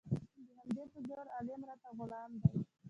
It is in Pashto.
د همدې په زور عالم راته غلام دی